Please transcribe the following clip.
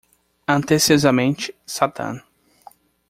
Atenciosamente,? satan.